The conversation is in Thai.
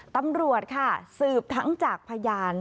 ตำรวจค่ะสืบทั้งจากพยาน